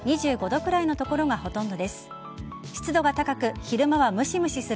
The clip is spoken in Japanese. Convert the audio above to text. ２５度くらいの所がほとんどです。